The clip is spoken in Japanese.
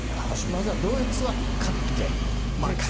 まずはドイツには勝って。